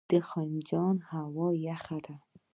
د خنجان هوا یخه ده